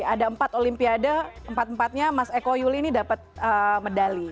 ada empat olimpiade empat empatnya mas eko yuli ini dapat medali